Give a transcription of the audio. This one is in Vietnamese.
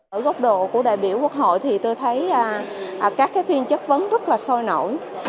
ở góc độ của đại biểu quốc hội thì tôi thấy các phiên chất vấn rất là sôi nổi